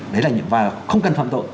đấy là những và không cần phạm tội